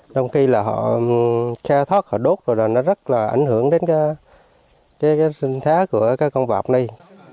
đồng khi là họ kheo thoát họ đốt rồi nó rất là ảnh hưởng đến cái sinh thái của cái con vọc này